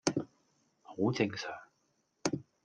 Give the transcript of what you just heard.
好正常